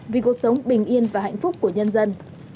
vì cuộc sống bình yên và hạnh phúc của nhân dân